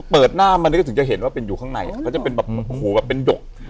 เปิดหน้ามาก็ถึงจะเห็นว่าเป็นอยู่ข้างในอ่ะเค้าจะเป็นหูแบบเป็นหยก